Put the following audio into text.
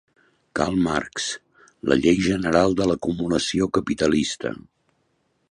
Karl Marx, "La llei general de l'acumulació capitalista".